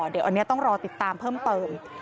เดี๋ยวอันนี้ต้องรอติดตามเพิ่มเติม